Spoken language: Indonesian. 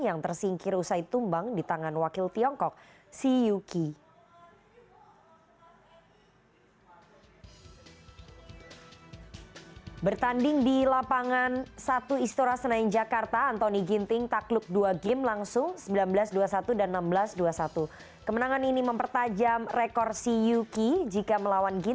yang tersingkir usai tumbang di tangan wakil tiongkok si yuki